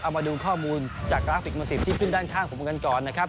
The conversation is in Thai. เอามาดูข้อมูลจากกราฟิกมือสิบที่ขึ้นด้านข้างผมกันก่อนนะครับ